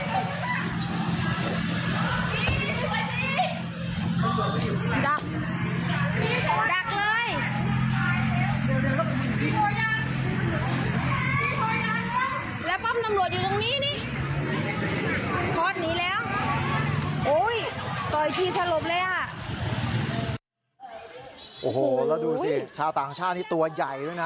โอ้โหแล้วดูสิชาวต่างชาตินี้ตัวใหญ่ด้วยนะ